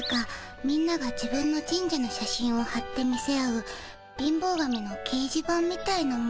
みんなが自分の神社の写真をはって見せ合う貧乏神のけいじ板みたいなもんです。